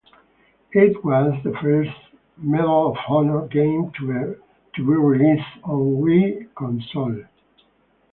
It was the first "Medal of Honor" game to be released on Wii console.